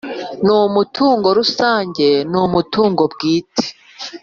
n umutungo rusange n umutungo bwite